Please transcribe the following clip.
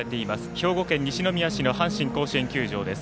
兵庫県西宮市の阪神甲子園球場です。